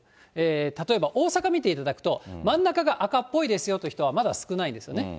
例えば、大阪見ていただくと、真ん中が赤っぽいですよという方はまだ少ないんですよね。